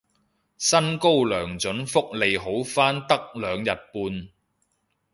薪高糧準福利好返得兩日半